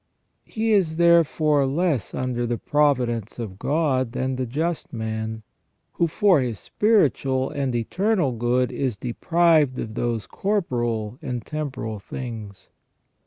He is, therefore, less under the providence of God than the just man, who for his spiritual and eternal good is deprived of those corporal and temporal things.